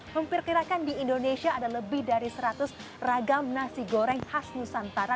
memperkirakan di indonesia ada lebih dari seratus ragam nasi goreng khas nusantara